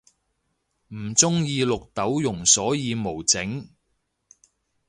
唔鍾意綠豆蓉所以無整